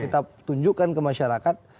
kita tunjukkan ke masyarakat